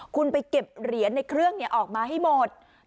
คุณไปเก็บเหรียญในเครื่องออกมาให้หมด